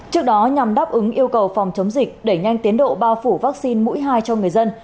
trước đó nhằm đáp ứng yêu cầu phòng chống dịch đẩy nhanh tiến độ bao phủ vaccine mũi hai cho người dân